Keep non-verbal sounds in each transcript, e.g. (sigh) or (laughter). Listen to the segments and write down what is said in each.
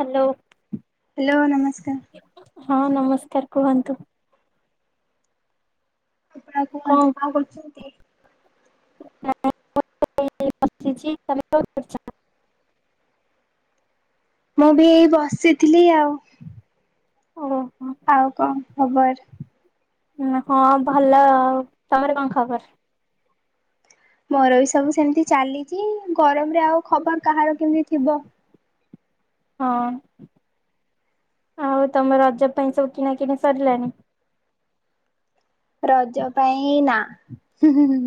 Hello. Hello ନମସ୍କାର। ହଁ ନମସ୍କାର କୁହନ୍ତୁ? ଆଉ କୁହନ୍ତୁ କଣ କରୁଚନ୍ତି? ବସିଚି ତମେ କଣ କରୁଚ? ମୁଁବି ଏଇ ବସିଥିଲି ଆଉ। ଓହୋ। ଆଉ କଣ ଖବର? ହଁ ଭଲ ଆଉ ତମର କଣ ଖବର? ମୋରବି ସବୁ ସେମିତି ଚାଲିଚି ଗରମରେ ଆଉ ଖବର କାହାର କେମିତି ଥିବ। ହଁ ଆଉ ତମ ରଜ ପାଇଁ ସବୁ କିଣା କିିଣି ସରିଲାଣି? ରଜ ପାଇଁ ନା ହୁ ହୁ।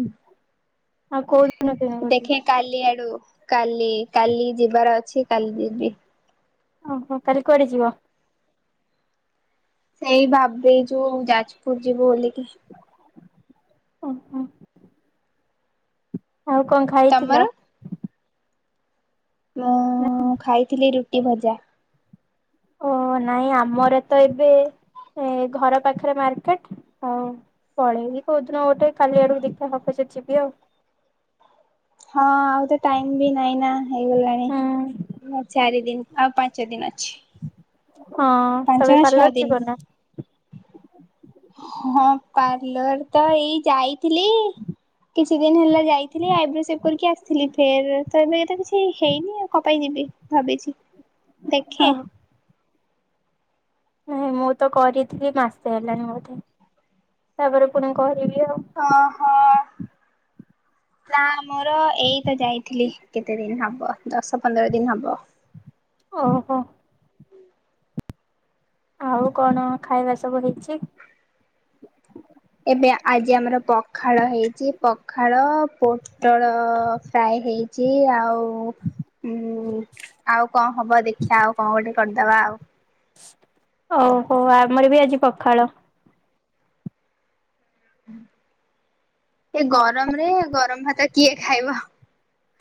ହଁ ଆଉ କାଉ ଦିନ କିଣିବି? କାଲି ଆଡ଼ୁକୁ କାଲି କାଲି ଯିବାର ଅଛି କାଲି ଯିବି। ଓହୋ କାଲି କୁଆଡ଼େ ଯିବ? ସେଇ ଭାବିଚୁ ଯାଜପୁର ଯିବୁ ବୋଲିକି। ଓହୋ। ଆଉ କଣ ତମର? ଖାଇଥିଲ? ମୁଁ ଖାଇଥିଲି ରୁଟି ଭଜା। ଓ ନାଇଁ ଆମରତ ଏବେ ଘର ପାଖରେ ମାର୍କେଟ। ହଁ ପଳେଇବି କୋଉଦିନ ଗୋଟେ କାଲି ଆଡକୁ ଦେଖିଆ ହବ ଯିବି ଆଉ। ହଁ ଆଉତ ଟାଇମବି ନାଇଁନା ହେଇଗଲାଣି। ହୁଁ ହଁ ଚାରି ଦିନି ଆଉ ପାଞ୍ଚ ଦିନି ଅଛି। ହଁ ପାଞ୍ଚ ତମେ ନା ଛଅ ପାର୍ଲର ଦିନ। ଯିବନା‌। ହଁ ପାର୍ଲରତ ଏଇ ଯାଇଥିଲି। କିଛି ଦିନ ହେଲା ଯାଇଥିଲି ଆଇବ୍ରୋ ସେପ୍ କରିକି ଆସିଥିଲି ଫେର୍ତ ଏବେତ କିଛି ହେଇନି ଆଉ କଣ ପାଇଁ ଯିବି। ଭାବିଚି ଦେଖେ। ନା? ନାଇଁ ମୁଁତ କରିଥିଲି ମାସେ ହେଲଣିି ବୋଧେ ତାପରେ ପୁଣି କରିବି ଆଉ। ହଁ ହଁ। ନା ମୋର ଏଇତ ଯାଇଥିଲି କେତେ ଦିନ ହବ ଦଶ ପନ୍ଦର ଦିନି ହବ। ଓହୋ। ଆଉ କଣ ଖାଇବା ସବୁ ହେଇଚି? ଏବେ ଆଜି ଆମର ପଖାଳ ହେଇଚି ପଖାଳ ପୋ ପୁଟଳ ଫ୍ରାଏ ହେଇଚି ଆଉ ହୁଁ ଆଉ କଣ ହବ ଦେଖିବା ଆଉ କଣ ଗୋଟେ କରିଦବା ଆଉ। ଓହୋ ଆମରବି ଆଜି ପଖାଳ। ଏ ଗରମରେ ଗରମ ଭାତ କିଏ ଖାଇବ।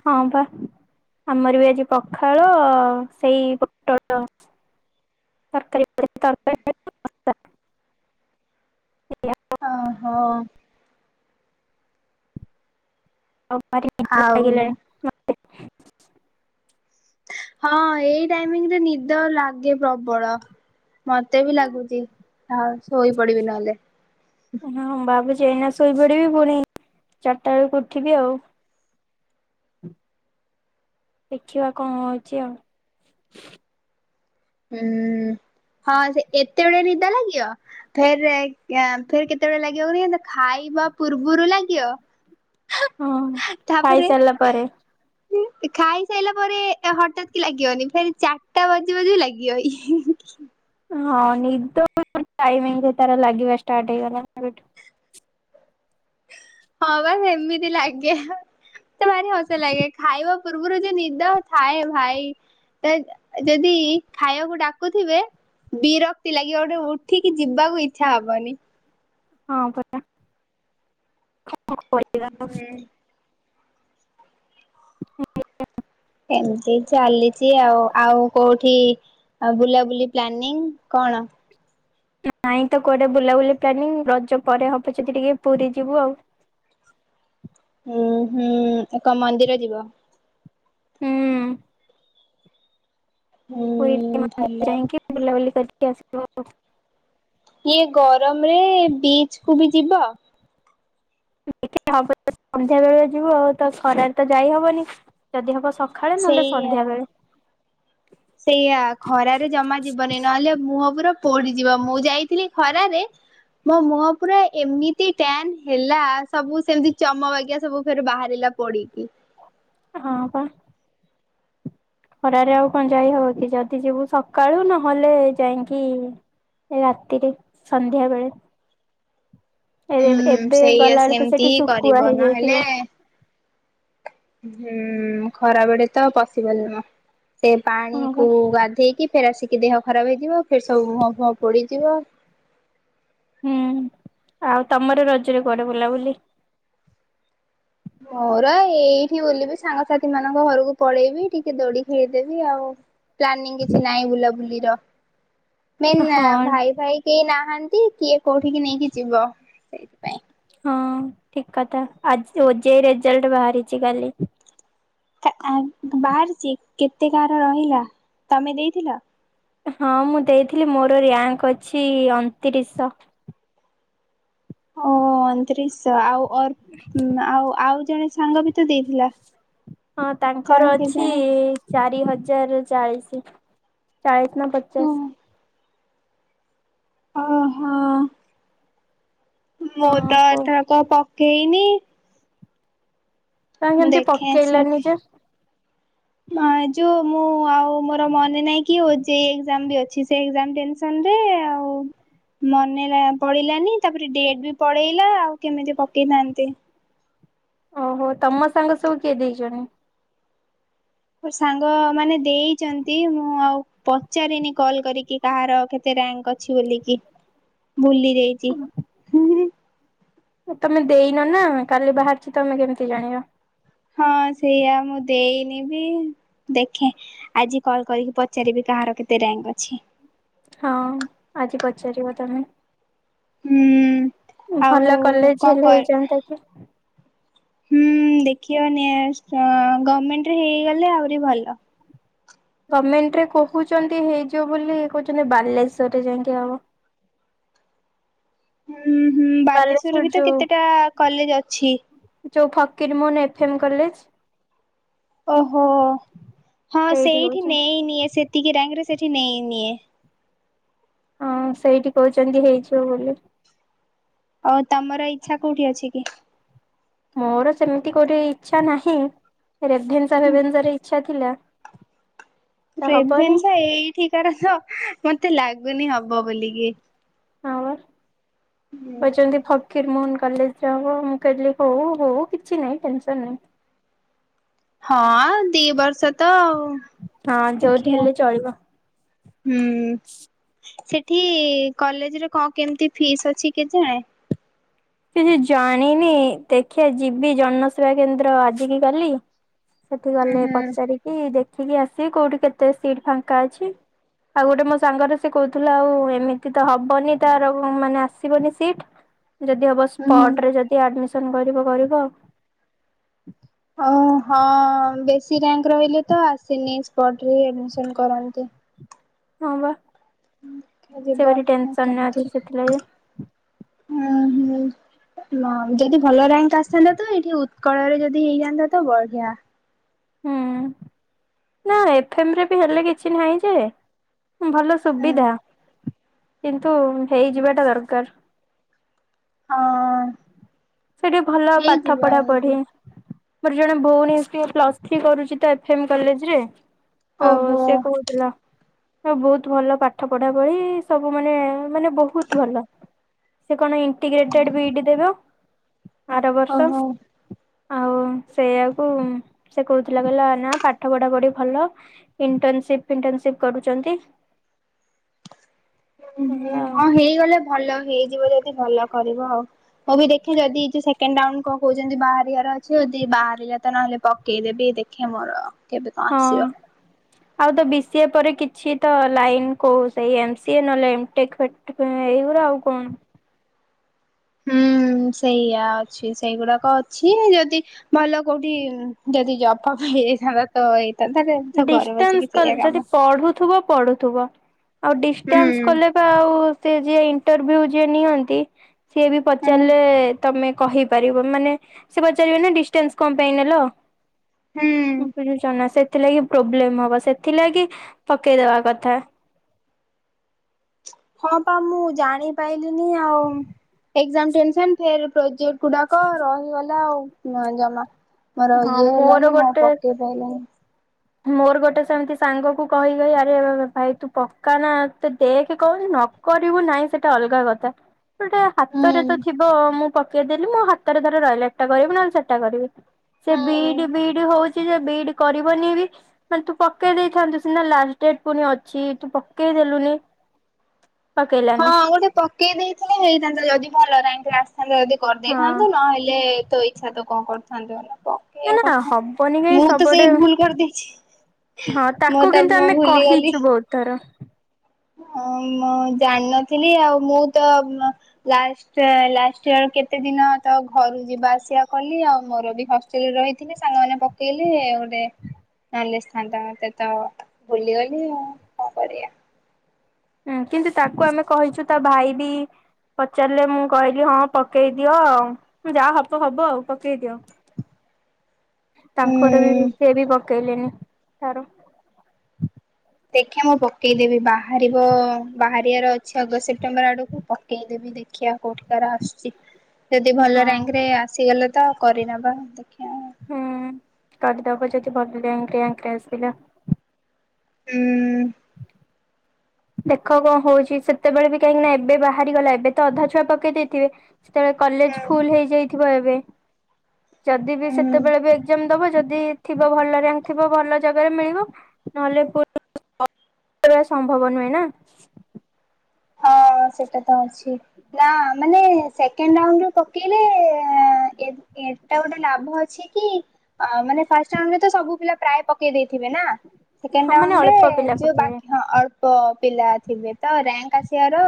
ହଁ ପା, ଆମରବି ଆଜି ପଖାଳ ସେଇ ପୋଟଳ ତରକାରୀ ତରକାରୀ ଓହୋ। (unintelligible) ଲାଗିଲା। ଆଉ ହଁ ଏଇ ଟାଇମିଂ ରେ ନିଦ ଲାଗେ ପ୍ରବଳ। ମତେ ବି ଲାଗୁଛି, ଆଉ ଶୋଇପଡିବି ନହେଲେ। ହଁ ଭାବୁଚି ଏଇନା ଶୋଇପଡିବି, ପୁଣି ଚାରିଟା ବେଳକୁ ଉଠିବି ଆଉ। ଦେଖିବା କଣ ହଉଚି ଆଉ। ହୁଁ ହଁ ସେ ଏତେବେଳେ ନିଦ ଲାଗିବ। ଫେର ଆଁ ଫେର କେତେବେଳେ ଲାଗିବ କୁହନି ଖାଇବା ପୂର୍ବରୁ ଲାଗିବ। ହଁ। ତାପରେ ଖାଇସାରିଲା ପରେ ଖାଇସାରିଲା ପରେ ହଠାତ୍ କି ଲାଗିବନି, ଫେର୍ ଚାରିଟା ବଜିବ ଜ ଲାଗିବ। ୟ ଇ। ହି ହି ହି। ହଁ ନିଦ ତାର ଟାଇମଙ୍ଗରେ ଲାଗିବା ଷ୍ଟାର୍ଟ ହେଇଗଲା। ହଁ ବା ସେମିତି ଲାଗେ। ମତେ ଭାରି ହସ ଲାଗେ, ଖାଇବା ପୂର୍ବରୁ ଯେ ନିଦ ଥାଏ ଭାଇ। ତ ଯଦି ଖାଇବାକୁ ଡାକୁଥିବେ ବିରକ୍ତି ଲାଗିବ ଗୋଟେ ଉଠିକି ଯିବାକୁ ଇଚ୍ଛା ହବନି। ହଁ ପରା। କଣ କରିବା ଆଉ। ହୁଁ। (unintelligible) ଏମିତି ଚାଲିଛି ଆଉ, ଆଉ କୋଉଠି ଆଉ ବୁଲାବୁଲି ପ୍ଲାନିଂ କଣ? ନାଇଁ ତ କୁଆଡେ଼ ବୁଲାବୁଲି ପ୍ଲାନିଂ, ରଜ ପରେ ହବ ଯଦି ଟିକେ ପୁରୀ ଯିବୁ ଆଉ। ହୁଁ ହୁଁ କଣ ମନ୍ଦିର ଯିବ? ହୁଁ। ପୁରୀ ହୁଁ ଭଲ ମନ୍ଦିର ଯାଇକି ବୁଲାବୁଲି କରିକି ଆସିବ। ଏ ଗରମ ରେ ବିଚ କୁ ବି ଯିବ? ଠି ହବ ସନ୍ଧ୍ୟା ବେଳେ ଯିବୁ, ଆଉ ତ ଖରାରେ ତ ଯାଇ ହବନି ଯଦି ହବ ସ ନହେଲେ ସେଇଆ ସନ୍ଧ୍ୟା ବେଳେ। ସେଇଆ ଖରାରେ ଜମା ଯିବନି, ନହେଲେ ମୁଁହ ପୂରା ପୋଡିଯିବ ମୁଁ ଯାଇଥିଲି ଖରାରେ ମୋ ମୁହଁ ପୁରା ଏମିତି ଟ୍ୟାନ୍ ହେଲା, ସବୁ ସେମିତି ଚମ ବାଗିଆ ସବୁ ଫେରେ ବାହାରିଲା। ପଡିକି। ଏ ହଁ ପା। ଖରାରେ ଆଉ କଣ ଯାଇ ହବ କି, ଯଦି ଯିବୁ ସକାଳୁ ନହେଲେ ଯାଇକି ଏ ରାତିରେ ସନ୍ଧ୍ୟା ବେଳେ। ଏ ହୁଁ ଏବେ ସେଇଆ ଗଲାବେେଳକୁ ସେମିତି ସେଠି ହିଁ କରିବ ଶୁଖୁଆ ନହେଲେ ହେଇଯାଇଥିବ। ହୁଁ ଖରାବେଳେ ତ ପଶିବଲ ନୁହଁ, ସେ ହଁ ପା ପାଣିକୁ ଗାଧେଇକି ଫେର ଆସିକି ଦେହ ଖରାପ ହେଇଯିବ, ଫେର ସବୁ ମୁହଁ ଫୁହଁ ପୋଡିଯିବ। ହୁଁ ଆଉ ତମର ରଜରେ କୁଆଡେ ବୁଲା ବୁଲି? ମୋର ଏଇଠି ବୁଲିବି, ସାଙ୍ଗସାଥି ମାନଙ୍କ ଘରକୁ ପଳେଇବି ଟିକେ ଦୋଳି ଖେଳିଦେବି ଆଉ। ପ୍ଲାନି କିଛି ନାହିଁ ବୁଲାବୁଲିର ମେନ୍ ହଁ ଭାଇ ଭାଇ କେହି ନାହାନ୍ତି, କିଏ କୋଉଠିକି ନେଇକି ଯିବ ସେଇଥିପାଇଁ। ହଁ ଠିକ କଥା, ଆଜି ଓ ଜେ ଇ ରେଜଲ୍ଟ ବାହାରିଚି କାଲି। ଆଁ ବାହାରିଚି କେତେ କାହାର ରହିଲା ତମେ ଦେଇଥିଲ? ହଁ ମୁଁ ଦେଇଥିଲି ମୋର ରାୟଙ୍କ ଅଛି ଅଣତିରିଶଶ। ଓ ଅଣତିରିଶ ଆଉ ଅର ଆଉ ଆଉ ଜଣେ ସାଙ୍ଗ ବି ତ ଦେଇଥିଲା? ହଁ ତାର ତାଙ୍କର ଅଛି କେଜାଣି ଚାରି ହଜାର ଚାଳିଶ। ଚାଳି ଓ ନମସ୍କାର। ଓହୋ। ମୁଁ ହଁ ତ କ ଏଥରକ ପକେଇନି। ତମେ କେମିତି ଦେଖେ ପକେଇଲନି ଆସନ୍ତି। ଯେ ଯୋଉ ମୁଁ ଆଉ ମୋର ମନେ ନାଇଁ କି ଓ ଜେ ଇ ଏକ୍ଜାମ ବି ଅଛି ସେଇ ଟେନ୍ (unintelligible) ଆଉ ମନେଲା ପଳେଇିଲାନି ତାପରେ ଡେଟ୍ ବି ପଳେଇଲା ଆଉ କେମିତି ପକେଇଥାନ୍ତି। ଓହୋ ତମ ସାଙ୍ଗ ସବୁ କିଏ ଦେଇଛନ୍ତି? ମୋ ସାଙ୍ଗ ମାନେ ଦେଇଛନ୍ତି ମୁଁ ଆଉ ପଚାରିନି କଲ୍ କରିକି। କାହାର କେତେ ରାଙ୍କ ଅଛି ବୋଲିକି ଭୁଲି ଯାଇଛି। ତମେ ଦେଇନ ନା କାଲି ବାହାରିଛି ତମେ କେମିତି ଜାଣିବ। ହଁ ସେଇଆ ମୁଁ ଦେଇନି ବି ଦେଖେ। ଆଜି କଲ୍ କରିକି ପଚାରିବି କାହାର କେତେ ରୀୟାଙ୍କ ଅଛି? ହଁ ଆଜି ପଚାରିବ ତମେ। ହୁଁ। ଆଉ ଭଲ କଲେଜ କଣ ହେଲେ କର ହେଇଯନ୍ତା କି। ହୁଁ ଦେଖିବ ନି ଗଭର୍ମେଣ୍ଟରେ ହେଇଗଲେ ଆହୁରି ଭଲ। ଗଭର୍ମେଣ୍ଟ ରେ କହୁଛନ୍ତି ହେଇଯିବ ବୋଲି କହୁଛନ୍ତି ବାଲେଶ୍ଵରରେ ଯାଇକି ହବ। ହୁଁ ହୁଁ ବାଲେଶ୍ୱରରେ ବାଲେଶ୍ଵର ବି ତ ଯୋଉ କେତେଟା କଲେଜ ଅଛି। ଯୋଉ ଫକିରମୋହନ ଏଫ ଏମ୍ କଲେଜ। ଓହୋ ହଁ ସେଇଠି ନେଇ ନିଏ, ସେତିକି ରିୟାଙ୍କରେ ସେଇଠି ନେଇ ନିିଏ। ହଁ ସେଇଠି କହୁଛନ୍ତି ହେଇଯିବ ବୋଲି। ଆଉ ତମର ଇଛା କୋଉଠି ଅଛି କି? ମୋର ସେମିତି କୋଉଠି ଇଚ୍ଛା ନାହିଁ, ରେଭେନ୍ସା ଫେଭେନ୍ସା ରେ ଇଛା ଥିଲା। (inaudible) ତ ହବନି ରେଭେନ୍ସା ଏଇଠିକାର ତ ମତେ ଲାଗୁନି ହବ ବୋଲିକି। ହଁ ବା କହିଛନ୍ତି ଫ ଫକିରମୋହନ କଲେଜରେ ହବ ମୁଁ କହିଲି ହୋଉ ହୋଉ କିଛି ନାହିଁ ଟେନସନ ନାହିଁ। ହଁ ଦିଇ ବର୍ଷ ତ ଆଉ ହଁ ଯୋଉଠି ଦେଖଆ। ହେଲେ ଚଳିବ। ହୁଁ ସେଠି କଲେଜରେ କଣ କେମିତି ଫିସ୍ ଅଛି କେ ଜାଣେ। କିଛି ଜାଣିନି ଦେଖିବା ଯିବି ଜନସେବା କେନ୍ଦ୍ର ଆଜିକି କାଲି। ସେଠି ହୁଁ ଗଲେ ହୁଁ ପଚାରିକି ଦେଖିକି ଆସିବି କୋଉଠି କେତେ ସିଟ ଫାଙ୍କା ଅଛି। ଆଉ ଗୋଟେ ମୋ ସାଙ୍ଗରେ ସେ କହୁଥିଲା ଆଉ ଏମିତି ତ ହବନି ତାର ମାନେ ଆସିବନି ସିଟ। ଯଦି ହେବ ହୁଁ ହୁଁ ସ୍ପଟରେ ଯଦି ଆଡ଼ମିସନ୍ କରିବ କରିବ। ଓ ହଁ ବେଶୀ ରିୟାଙ୍କ ରହିଲେ ତ ଆସେନି ସ୍ପଟ୍ ରେ ଆଡମିଶନ୍ କରନ୍ତି। ହଁ ବା ସେ ଯିବ ଭାରୀ ଟେନସନ କେମିତି ଅଛି ସେଥିଲାଗି। ହୁଁ ହୁଁ। ହ ଯଦି ଭଲ ରିୟାଙ୍କ ଆସିଥାନ୍ତା ତ ଏଇଠି ଉତ୍କଳରେ ଯଦି ହେଇଯାଆନ୍ତା ତ ବଢିଆ। ହୁଁ ନା ଏଫ ଏମ ରେ ବି ହେଲେ କିଛି ନାହିଁ ଯେ ଭଲ ହୁଁ ସୁବିଧା, କିନ୍ତୁ ହେଇଯିବା ଟା ଦରକାର। ହଁ ହଁ। ସେଠି ଭଲ ପାଠ ହେଇଯିବ ପଢା ପଢି। ହେଇଯିବ ମୋର ଜଣେ ଭଉଣୀ ପ୍ଲସ ଥ୍ରୀ କରୁଛି ଏଫ୍‌ଏମ୍ କଲେଜ୍‌ରେ। ଆଉ ଓହୋ। ସେ କହୁଥିଲା। ବହୁତ ଭଲ ପାଠ ପଢା ଭଳି ସବୁ ମାନେ ମାନେ ବହୁତ ଭଲ। ସେ କଣ ଇଣ୍ଟିଗ୍ରେଟେଡ ବି ଇଡି ଦେବ ଆର ବର୍ଷ। (inaudible) ଆଉ ସେଇଆକୁ, ସେ କହୁଥିଲା କହିଲା ନା ପାଠ ପଢା ପଢି ଭଲ। ଇଣ୍ଟର୍ନସିପ ଫିଣ୍ଟନସିପ କରୁଛନ୍ତି। ହଁ ହୁଁ ଏଇଆ ଆଉ ହଁ ହେଇଗଲେ ଭଲ ହେଇଯିବ ଯଦି ଭଲ କରିବ ଆଉ। ମୁଁ ବି ଦେଖେ ଯଦି ଏ ଯୋ ସେକେଣ୍ଡ କୁ କହୁଛନ୍ତି ବାହାରିବାର ଅଛି ଯଦି ବାହାରିଲା ତ ନହେଲେ ପକେଇଦେବି। ଦେଖେ ମୋର କେବେ କଣ ଆସିବ। ହଁ। ଆଉ ତ ବି ସି ଏ ପରେ କିଛି ତ ଲାଇନ କହୁ ସେଇ ଏମ ସି ଏ ନହଲେ ଏମ ଟେକ୍ ଏଇଗୁରା ଆଉ କଣ। ହୁଁ ସେଇଆ ଅଛି ସେଇଗୁଡାକ ଅଛି। ଯଦି ଭଲ କୋଉଠି ଯଦି ଜବ ଫବ ହେଇଯାଇଥାନ୍ତା ତ ଏଇଟା ଡିଷ୍ଟାନ୍ସ କ ଯଦି ପଢୁଥିବ ପଢୁ ଥୁବ। ଆଉ ହୁଁ ଡିଷ୍ଟାନ୍ସ କଲେ ବା ଆଉ ସେ ଯେ ଇଣ୍ଟରଭିଉ ଯିଏ ନିଅନ୍ତି। ସିଏ ବି ହୁଁ ପଚାରିଲେ ତମେ କହିପାରିବ ମାନେ ସେ ପଚାରିବେ ନା ଡିଷ୍ଟାନ୍ସ କଣ ପାଇଁ ନେଲ। ହୁଁ ବୁଝୁଚ ନା ସେଥିଲାଗି ପ୍ରୋବ୍ଲେମ ହବ ସେଥିଲାଗି ପକେଇଦବା କଥା। ହଁ ପା ମୁଁ ଜାଣିପାରଲିିନି ଆଉ ଏକ୍ଜାମ ଟେନସନ ଫେରେ ପ୍ରୋଜେକଟ ଗୁଡାକ ରହିଗଲା ଆଉ ଜମା ମୋର ହଁ ଇଏ ମୋର ହେଲାନି ମୁଁ ଗୋଟେ ପକେଇ ପାଇଲିନି। ମୋର ଗୋଟେ ସେମିତି ସାଙ୍ଗକୁ କହି କହି ଆରେ ରେ ଭାଇ ତୁ ପକାନା ତେ ଦେଖେ କୋଉଠି ନ କରିବୁ ନାହିଁ ସେଟା ଅଲଗା କଥା ଗୋଟେ ହୁଁ ହାତରେ ତ ଥିବ ମୁଁ ପକେଇଦେଲି ମୋ ହାତରେ ଧର ରହିଲା ଏଟା କରିବି ନହଲେ ସେଟା କରିବି। ସେ ବି ଇ ହୁଁ। D B E D D ହଉଛି ଯେ ବି ଇ ଡି କରିବନି ବି। ମାନେ ତୁ ପକେଇ ଦେଇଥାନ୍ତୁ ସିନା ଲାଷ୍ଟ ଡେଟ୍ ପୁଣି ଅଛି ତୁ ପକେଇ ଦେଲୁନି। ହଁ ପକେଇଲାନି ଗୋଟେ ପକେଇ ଦେଇଥିଲେ ହେଇଥାନ୍ତା ଯଦି ଭଲ ଟାଇମ୍ ରେ ଆସିଥାନ୍ତା ଯଦି ହଁ କରିଦେଇଥାନ୍ତୁ। ନହେଲେ ତ ଇଚ୍ଛା ତ କଣ କରୁଥାନ୍ତୁ ଲୋକ ନା ନା ହବନି କାଇଁ ସବୁଆଡେ। କରିଦେଇଛି ହଁ ମୁଁ ତାକୁ ତ କିନ୍ତୁ ମୁଁ ଆମେ ଭୁଲିଗଲି କହିଛୁ ବହୁତ ଥର। ହ ଇ ମୁଁ ଜାଣିନଥିଲି ଆଉ ମୁଁ ତ ଲା ଲାଷ୍ଟ ଇୟର କେତେ ଦିନ ତ ଘରୁ ଯିବା ଆସିବା କଲି ଆଉ ମୋର ବି ହ ରହିଥିନି ସାଙ୍ଗମାନେ ପକେଇଲେ ଗୋଟେ ନଲେ ଆସିଥାନ୍ତା ମତେ ତ ଭୁଲିଗଲି ଆଉ କଣ କରିବା। ହୁଁ କିନ୍ତୁ ତାକୁ ଆମେ କହିଛୁ ତା ଭାଇ ବି ପଚାରିଲେ ମୁଁ କହିଲି ହଁ ପକେଇଦିଅ ଆଉ। ଯାହା ହବ ହବ ଆଉ ପକେଇ ଦିଅ। ତାଙ୍କର ବି ହୁଁ ସେ ବି ପକେଇଲେନି ତାର ଦେଖିବା ମୁଁ ପକେଇଦେବି ବାହାରିବ ବାହାରିବାର ଅଛି ଅଗଷ୍ଟ ସେପ୍ଟେମ୍ବର ଆଡକୁ, ପକେଇଦେବି ଦେଖ ଦେଖିବା କୋଉଠିିକାର ଆସୁଛି। ଯଦି ଭଲ ହଁ ରାଙ୍କ ରେ ଆସିଗଲେ ତ କରିନବା ଦେଖିବା। ହୁଁ କରିଦବ ଯଦି ଭଲ ଆସିଲା। ହୁଁ। ଦେଖ କଂ ହଉଛି ସେତେବେଳେ ବି କାହିଁକି ନା ଏବେ ବାହାରିଗଲା ଏବେ ତ ଅଧା ଛୁଆ ପକେଇ ଦେଇଥିବେ। ସେତେବେଳେ କଲେଜ ହୁଁ ଫୁଲ ହେଇଯାଇଥିବ ଏବେ। ଯଦି ବି ହୁଁ। ସେତେବେଳେ ବି ଏକ୍ଜାମ ଦବ ଯଦି ଥିବ ଭଲ ରାଙ୍କ ଥିବ ଭଲ ଜାଗାରେ ମିଳିବ ନହେଲେ ପୁ (inaudible) ସମ୍ଭବ ନୁହେଁ ନା। ହଁ ସେଟା ତ ଅଛି ନା ମାନେ ସେକେଣ୍ଡ ରାଉଣ୍ଡ ରେ ପକେଇଲେ ଏ ଏଟା ଗୋଟେ ଲାଭ ଅଛି କି ଅ ମାନେ ଫାଷ୍ଟ ରାଉଣ୍ଡ ରେ ତ ସବୁ ପିଲା ପ୍ରାୟ ପକେଇ ଦେଇଥିବେ ନା। ସେକେଣ୍ଡ ହଁ ମାନେ ରାଉଣ୍ଡ ଅଳ୍ପ ରେ ପିଲା ଯୋଉ ବା ପକେଇବେ ହଁ ଅଳ୍ପ ପିଲା ଥିବେ ତ ରାଙ୍କ ଆସିବା ତ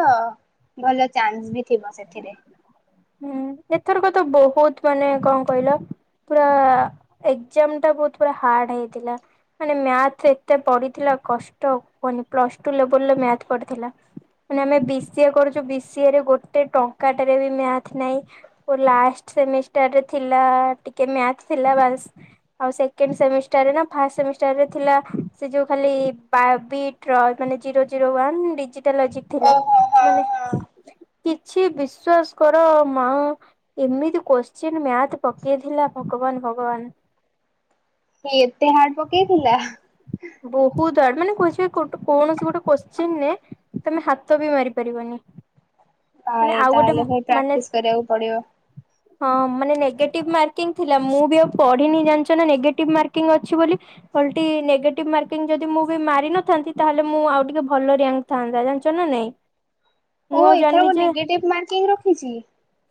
ଭଲ ଚାନ୍ସ ବି ଥିବ ସେଥିରେ। ହୁଁ ଏଥରକ ତ ବହୁତ ମାନେ କଂ କହିଲ ପୁରା ଏକ୍ଜାମ ଟା ବହୁତ ପୁରା ହାର୍ଡ ହେଇଥିଲା। ମାନେ ମ୍ୟାଥ ଏତେ ପଡ଼ିଥିଲା କଷ୍ଟ କୁହନି ପ୍ଲସଟୁ ଲେବେଲ ରେ ମ୍ୟାଥ ପଡିଥିଲା। ମାନେ ଆମେ ବି ଷି ଏ କରୁଛୁ ବି ଷି ଏ ରେ ଗୋଟେ ଟଙ୍କା ଟରେ ବି ମ୍ୟା ନାଇଁ ମୋର ଲାଷ୍ଟ୍ ସେମିଷ୍ଟର ଥିଲା ଟିକେ ମ୍ୟାଥ୍ ଥିଲା ବାସ୍ ଆଉ ସେକେଣ୍ଡ ସେମିଷ୍ଟାରରେ ନା ଫାଷ୍ଟ ସେମିଷ୍ଟାର ରେ ଥିଲା ସେ ଯୋଉ ଖାଲି ବା ପି ଟ୍ର ମାନେ ଜିରୋ ଜିରୋ ୱାନ ଡିଜିଟାଲ ଜିକ୍ ଥିଲା ଓହୋ ହଁ ମାନେ ହଁ। କିଛି ବିଶ୍ଵାସ- କର ମାଉଁ ଏମିତି କୋଶ୍ଚିନ୍ ମ୍ୟାଥ ପକେଇଥିଲା ଭଗବାନ ଭଗବାନ। ଏତେ ହାର୍ଡ ପକେଇଥିଲା? ବହୁତୁ ହାଡେ ମାନେ (unintelligible) କୌଣସି ଗୋଟେ କୋଶ୍ଚିନ ନେ ତମେ ହାତ ବି ମାରି ପାରିବନି। ଆ ମାନେ ଏ ଆଉ ଗୋଟେ ତାହେଲେ ଭାଇ ମାନେ ପ୍ରାକ୍ଟିସ କରିବାକୁ ପଡିବ। ହଁ ମାନେ ନେଗେଟିଭ ମାର୍କିଂ ଥିଲା ମୁଁ ବି ଆଉ ପଢିନି ଜାଣିଛ ନା ନେଗେଟିଭ ମାର୍କିଂ ଅ ଛି ବୋଲି। ଓଲଟି ନେଗେଟିଭ ମାର୍କିଂ ଯଦି ମୁଁ ବି ମାରି ନଥାନ୍ତି ତାହେଲେ ମୁଁ ଆଉ ଟିକେ ଭଲ ରିଆଙ୍କ ଥାନ୍ତା ଜାଣିଚ ନା ନାଇଁ? ମୁଁ ଓହ ଆଉ ଏଥର ଜାଣିନି ଗ ଯେ ନେଗେଟିଭ ମାର୍କିଂ ରଖିଚିତ?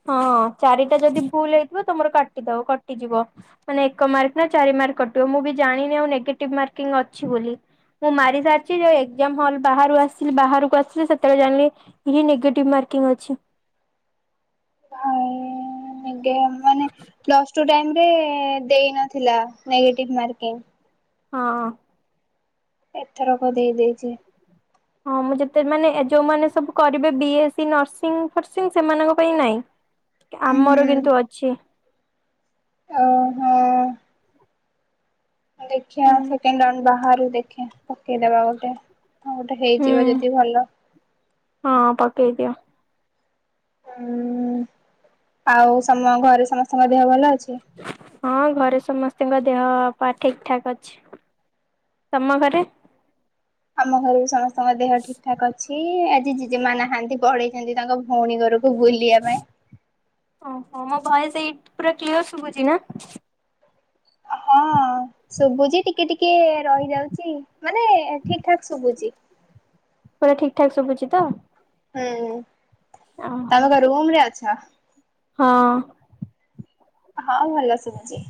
ହଁ ଚାରିଟା ଯଦି ଭୁଲ ହେଇଥିବ ତମର କାଟି ଦବ କଟିଯିବ। ମାନେ ଏକ ମାର୍କ ନା ଚାରି ମାର୍କ କଟିବ ମୁଁ ବି ଜାଣିନି ଆଉ ନେଗେଟିଭ ମାର୍କିଂ ଅଛି ବୋଲି। ମୁଁ ମାରି ସାରିଛି ଯୋଉ ଏକ୍ଜାମ ହଲ ବାହରୁ ଆସିଲି ବାହାରକୁ ଆସିଲି ସେତେବେଳେ ଜାଣିଲି କି ନେଗେଟିଭ ମାର୍କିଂ ଅଛି। (inaudible) ଏ ଗେଁ ମାନେ ପ୍ଲସ ଟୁ ଟାଇମ୍ ରେ ଦେଇନଥିଲା ନେଗଟିଭ ମାର୍କିଂଗ। ହଁ। ଏଥରକ ଦେଇ ଦେଇଛି। ହଁ ମୁଁ ଯେତେ ମାନେ ଏ ଯେଉମାନେ ସବୁ କରିବେ ବିଏ ସି ନର୍ସିଂ ଫର୍ସିଂ ସେମାନଙ୍କ ପାଇଁ ନାହିଁ। ହୁଁ ଆମର ହୁଁ କିନ୍ତୁ ଅଛି। ଓ ହୋ। ଦେଖିଆ ହୁଁ ସେକେଣ୍ଡ ରାଉଣ୍ଡ ବା ବାହାରୁ ଦେଖେ ପକେଇଦବା ଗୋଟେ ଆଉ ଗୋଟେ ହେଇଯିବ ଯଦି ଭଲ। ହଁ ପକେଇଦିଅ। ହୁଁ ଆଉ ସମ ଘରେ ସମସ୍ତଙ୍କ ଦେହ ଭଲ ଅଛି? ହଁ ଘରେ ସମସ୍ତଙ୍କ ଦେହ ପା ଠିକ ଠାକ୍ ଅଛି। ତମ ଘରେ? ଆମ ଘରେ ବି ସମସ୍ତଙ୍କ ଦେହ ଠିକ୍ ଠାକ୍ ଅଛି ଆଜି ଜେଜେ ମା ନାହାନ୍ତି ପଳେଇଛନ୍ତି ତାଙ୍କ ଭଉଣୀ ଘ ରୁକୁ ବୁଲିଆ ପାଇଁ। ଓହୋ ମୋ ଭୟସ ଏଇ ପୁରା କ୍ଲିୟର୍ ଶୁଭୁଚି ନା। ହଁ। ଶୁଭୁଚି ଟିକେ ଟିକେ ରହି ଯାଉଚି ମାନେ ଠିକ୍ ଠାକ୍ ଶୁଭୁଚି। ପୁରା ଠିକ୍ ଠାକ୍ ଶୁଭୁଚି ତ। ହୁଁ ଓହୋ ତମେ କଁ ରୁମରେ ଅଛ? ହଁ। ହଁ ଭଲ ଶୁଭୁଚି।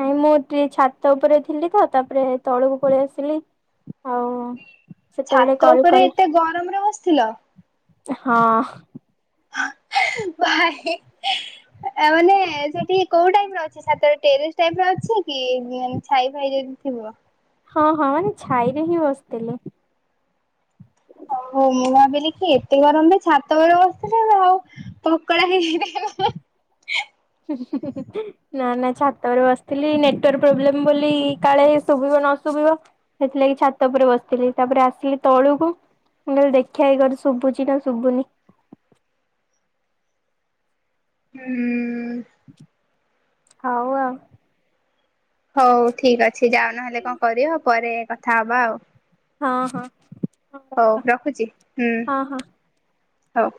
ନାଇଁ ମୁଁ ଏଇଠି ଟିକେ ଛାତ ଉପେରେ ଥିଲି ତ ତାପରେ ତଳକୁ ପଳେଇ ଆସିଲି ଆଉ ସେତେବେଳେ ଛାତ କଲ୍ ଉପେରେ କଲ୍ ଏତେ ଗରମରେ ବସିଥିଲ। ହଁ। ହ ହେ ଆ ଆ ମାନେ ସେଠି କୋଉ ଟାଇପର ଅଛି ସାତେରେ ଟେରିସ୍ ଟାଇପର ଅଛି କି ଉଁ ମାନେ ଛାଇ ଫାଇ ଯଦି ଥିବ। ହଁ ହଁ ନାଇଁ ଛାଇରେ ହିଁ ବସତିଲି। ମୁଁ ମୁଁ ଭାବିଲି କି ଏତେ ଗରମରେ ଛାତ ଉପେରେ ବସିଥିଲେ ଆ ଆଉ ପକୋଡା ହେଇ ଦେ ହେଁ ହେଁ। (unintelligible) ନା ନା ଛାତ ଉପେରେ ବସିଥିଲି ନେଟୱର୍କ ପ୍ରୋବ୍ଲେମ୍ ବୋଲି କାଳେ ଶୁଭିବ ନ ଶୁଭିବ। ସେଥିଲାଗି ଛାତ ଉପରେ ବସିଥିଲି ତାପରେ ଆସିଲି ତଳୁକୁ। ମୁଁ କହିଲି ଦେଖିଆ ଏଇ ଘରେ ଶୁଭୁଚି ନା ଶୁଭୁନି। ହୁଁ। ହଉ ଆଉ। ହଉ ଠିକ୍ ଅଛି ଯାଅ ନହେଲେ କଁ କରିବ ପରେ କଥା ହବା ଆଉ। ହଁ ହଁ। ହଉ ରଖୁଚି ହୁଁ ହଁ ହଁ। ହଉ।